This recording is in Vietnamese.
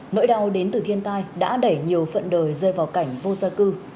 nỗi đau đến từ thiên tai đã đẩy nhiều phận đời rơi vào cảnh vô gia cư